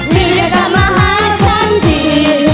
ดีกว่ากลับมาหาผมที่